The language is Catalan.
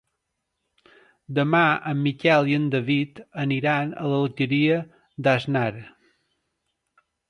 Demà en Miquel i en David aniran a l'Alqueria d'Asnar.